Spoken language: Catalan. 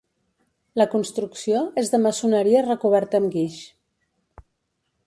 La construcció és de maçoneria recoberta amb guix.